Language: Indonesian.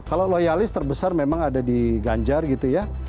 kalau loyalis terbesar memang ada di ganjar gitu ya